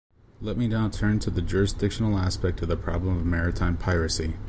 Let me now turn to the jurisdictional aspect of the problem of maritime piracy.